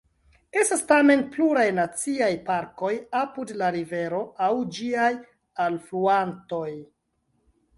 Estas tamen pluraj naciaj parkoj apud la rivero aŭ ĝiaj alfluantoj.